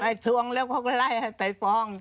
ไปทวงแล้วเขาก็ไล่ไปฟ้อง